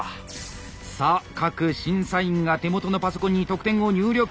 さあ各審査員が手元のパソコンに得点を入力。